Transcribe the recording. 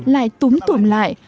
lại túm tủm lại